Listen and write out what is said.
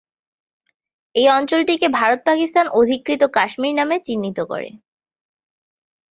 এই অঞ্চলটিকে ভারত পাকিস্তান-অধিকৃত কাশ্মীর নামে চিহ্নিত করে।